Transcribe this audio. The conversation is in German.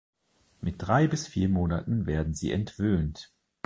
Mit drei bis vier Monaten werden sie entwöhnt.